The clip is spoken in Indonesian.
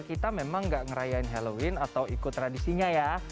kita memang gak ngerayain halloween atau ikut tradisinya ya